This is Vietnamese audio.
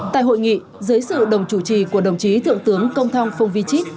tại hội nghị dưới sự đồng chủ trì của đồng chí thượng tướng công thong phong vi chít